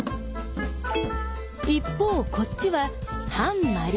一方こっちは反マリリン派。